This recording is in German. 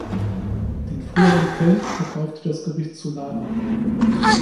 Den früheren Kelch verkaufte das Gericht zu Lana.